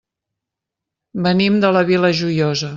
Venim de la Vila Joiosa.